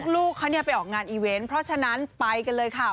ลูกเขาไปออกงานอีเวนต์เพราะฉะนั้นไปกันเลยค่ะ